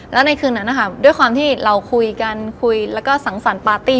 แล้วในคืนนั้นนะคะด้วยความที่เราคุยกันคุยแล้วก็สังสรรค์ปาร์ตี้